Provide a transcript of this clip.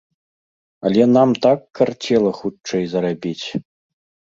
Але нам так карцела хутчэй зарабіць!